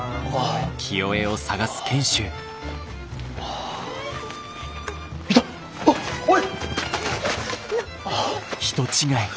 あっおい！